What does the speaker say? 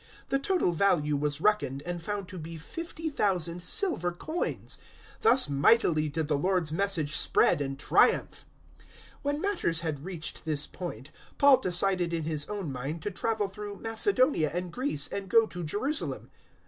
The total value was reckoned and found to be 50,000 silver coins. 019:020 Thus mightily did the Lord's Message spread and triumph! 019:021 When matters had reached this point, Paul decided in his own mind to travel through Macedonia and Greece, and go to Jerusalem.